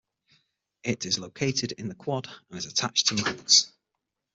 It is located in the Quad and is attached to Mac's.